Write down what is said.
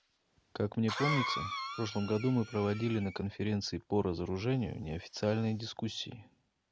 Как мне помнится, в прошлом году мы проводили на Конференции по разоружению неофициальные дискуссии.